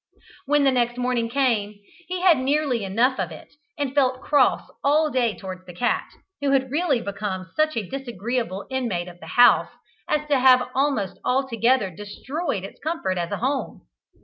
When next morning came, he had nearly had enough of it, and felt cross all day towards the cat, who had really become such a disagreeable inmate of the house as to have almost altogether destroyed its comfort as a home.